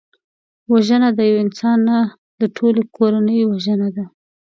وژنه د یو انسان نه، د ټولي کورنۍ وژنه ده